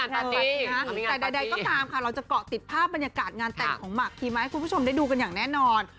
แต่ใดก็ตามค่ะเราจะเกาะติดภาพบรรยากาศงานแต่งของหมากคีมาให้คุณผู้ชมได้ดูกันอย่างแน่นอน